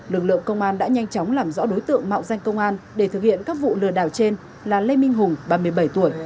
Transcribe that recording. lực lượng công an đã nhanh chóng làm rõ đối tượng mạo danh công an để thực hiện các vụ lừa đảo trên là lê minh hùng ba mươi bảy tuổi